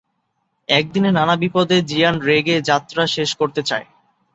একদিনে নানা বিপদে জিয়ান রেগে যাত্রা শেষ করতে চায়।